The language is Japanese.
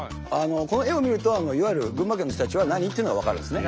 この絵を見るといわゆる群馬県の人たちは何っていうのは分かるんですね。